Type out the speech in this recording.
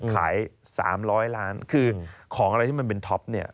ขาย๓๐๐ล้านคือของอะไรที่มันเป็นท็อปเนี่ย